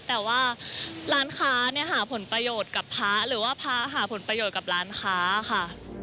แต่ว่าร้านค้าเนี่ยหาผลประโยชน์กับพระหรือว่าพระหาผลประโยชน์กับร้านค้าค่ะ